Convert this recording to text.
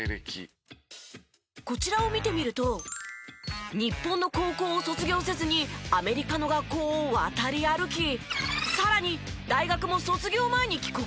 こちらを見てみると日本の高校を卒業せずにアメリカの学校を渡り歩きさらに大学も卒業前に帰国。